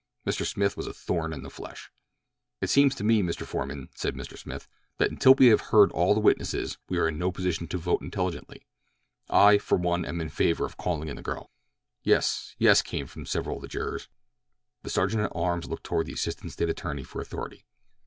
Mr. Smith was a thorn in the flesh. "It seems to me, Mr. Foreman," said Mr. Smith, "that until we have heard all the witnesses we are in no position to vote intelligently. I, for one, am in favor of calling in the girl." "Yes," "Yes," came from several of the jurors. The sergeant at arms looked toward the assistant State attorney for authority.